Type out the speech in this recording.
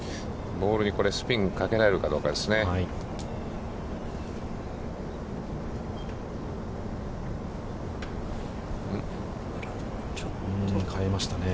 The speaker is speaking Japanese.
ボールにこれ、スピンをかけられるかどうかですね。